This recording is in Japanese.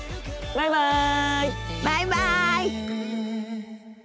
バイバイ。